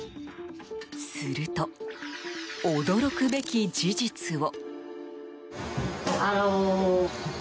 すると、驚くべき事実を。